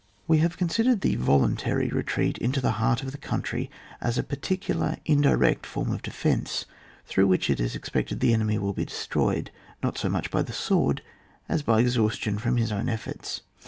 We have considered the voluntary re treat into the heart of the coimtry as a particular indirect form of defence through which it is expected the enemy will be destroyed, not so much by the sword as by exhaustion from his own efforts.